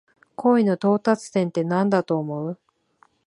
恋の到達点ってなんだと思う？